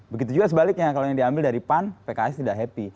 begitu juga sebaliknya kalau yang diambil dari pan pks tidak happy